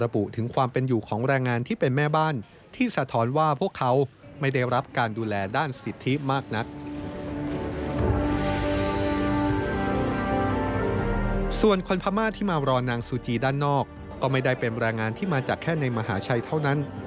ส่วนคนพม่าที่มารอนางซูจีด้านนอกก็ไม่ได้เป็นแรงงานที่มาจากแค่ในมหาชัยเท่านั้น